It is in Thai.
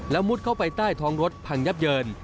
มุดเข้าไปใต้ท้องรถพังยับเยิน